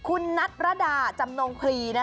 คุณนัทรดาจำนงพลี